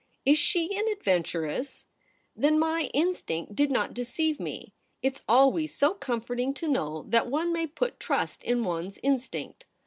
Is she an adventuress ? Then my instinct did not deceive me. It's always so comforting to know that one may put trust in one's instinct.